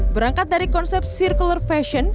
berangkat dari konsep circular fashion